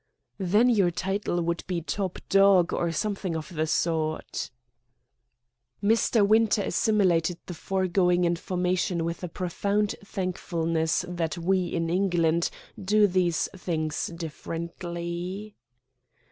"Then your title would be 'Top Dog' or something of the sort." Mr. Winter assimilated the foregoing information with a profound thankfulness that we in England do these things differently.